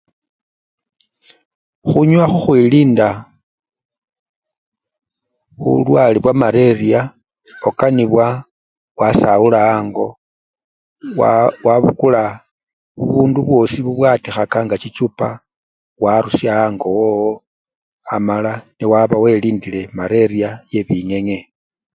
Khunyowa khukhwilinda bulwale bwa maleriya, okanibwa wasawula ango, waaa! wabukula bubundu bwosi bubwatikhaka nga chichupa warusya ango wowo amala nebo welindile maleriya yebingenge.